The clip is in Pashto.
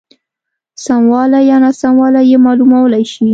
سموالی یا ناسموالی یې معلومولای شي.